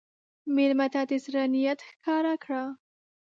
مېلمه ته د زړه نیت ښکاره کړه.